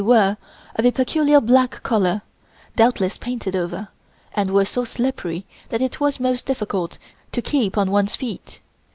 They were of a peculiar black color, doubtless painted over, and were so slippery that it was most difficult to keep on one's feet.